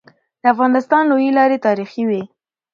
د افغانستان لويي لاري تاریخي وي.